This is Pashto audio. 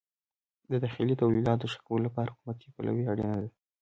د داخلي تولیداتو د ښه کولو لپاره حکومتي پلوي اړینه ده.